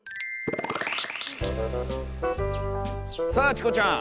さあチコちゃん。